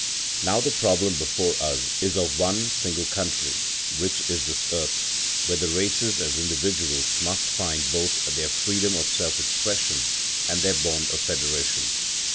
Now the problem before us is of one single country, which is this earth, where the races as individuals must find both their freedom of self expression and their bond of federation.